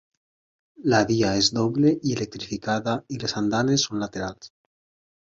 La via és doble i electrificada i les andanes són laterals.